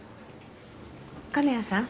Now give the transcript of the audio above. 金谷さん